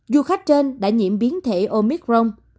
du khách trên đã nhiễm biến thể omicron